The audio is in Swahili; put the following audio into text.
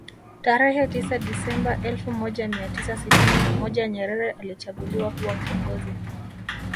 Tarehe tisa desamba elfu moja mia tisa sitini na moja Nyerere alichaguliwa kuwa kiongozi